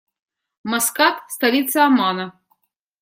Маскат - столица Омана.